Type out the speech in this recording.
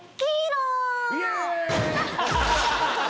イェーイ！